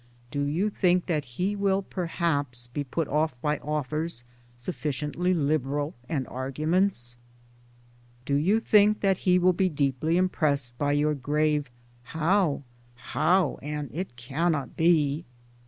do you think that he will perhaps be put off by offers sufficiently liberal, and arguments ? Towards Democracy 47 Do you think that he will be deeply impressed by your grave How, how ? and It cannot be